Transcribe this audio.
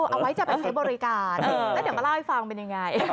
เอาไว้จะไปใช้บริการแล้วเดี๋ยวมาเล่าให้ฟังเป็นยังไง